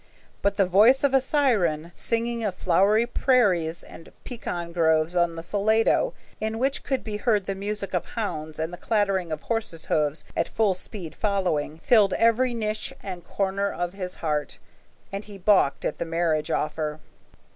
But the voice of a siren, singing of flowery prairies and pecan groves on the Salado, in which could be heard the music of hounds and the clattering of horses' hoofs at full speed following, filled every niche and corner of his heart, and he balked at the marriage offer.